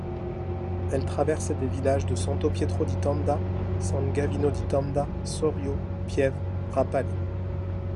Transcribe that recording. Elle traverse les villages de Santo-Pietro-di-Tenda, San-Gavino-di-Tenda, Sorio, Piève, Rapale.